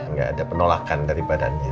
nggak ada penolakan dari badannya